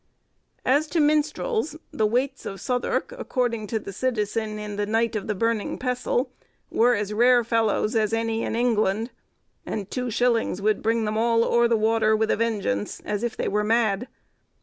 As to minstrels, the waits of Southwark, according to the Citizen in the 'Knight of the Burning Pestle,' were as rare fellows as any in England, and two shillings would bring them all o'er the water with a vengeance, as if they were mad.